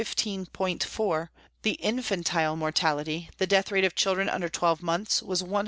4, the infantile mortality the death rate of children under twelve months was 132.